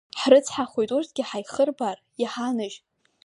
Ҳрыцҳахоит урҭгьы ҳаихырбаар, иҳанажь!